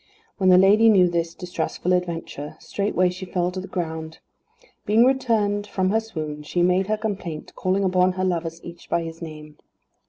When the lady knew this distressful adventure, straightway she fell to the ground. Being returned from her swoon, she made her complaint, calling upon her lovers each by his name.